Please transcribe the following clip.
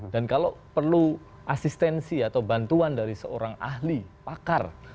kalau perlu asistensi atau bantuan dari seorang ahli pakar